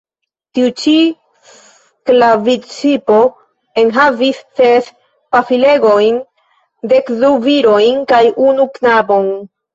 Tiu-ĉi sklavŝipo enhavis ses pafilegojn, dekdu virojn kaj unu knabon.